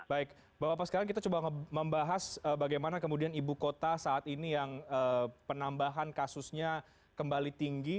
baik bapak bapak sekarang kita coba membahas bagaimana kemudian ibu kota saat ini yang penambahan kasusnya kembali tinggi